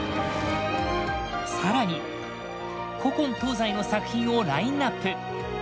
さらに古今東西の作品をラインナップ。